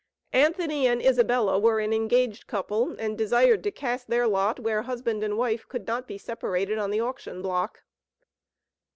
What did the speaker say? Anthony and Isabella were an engaged couple, and desired to cast their lot where husband and wife could not be separated on the auction block.